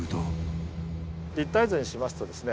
立体図にしますとですね